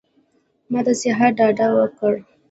ما د صحت ډاډ ورکړ.